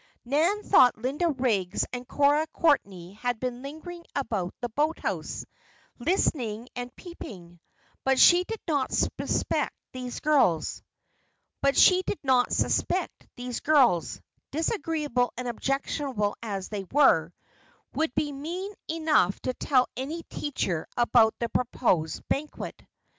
Nan thought Linda Riggs and Cora Courtney had been lingering about the boathouse, listening and peeping; but she did not suspect these girls, disagreeable and objectionable as they were, would be mean enough to tell any teacher about the proposed banquet.